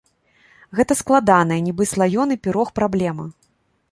Гэта складаная, нібы слаёны пірог, праблема.